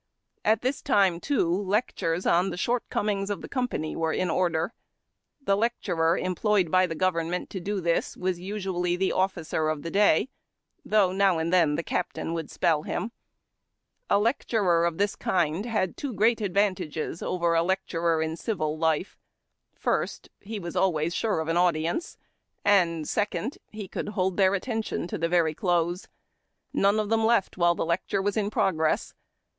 At this time, too, lectures on the shortcomings of the company were in order. The lecturer employed by the government to do this was usually the officer of the day, though now and then the captain would spell him. A lecturer of this kind had two great advantages over a lecturer in civil life; first, he was always sure of an audience, and, second, he could A DAY IN CAMP. 189 hold their atteiitiou to the very close. None of them left while the lecture was in progress.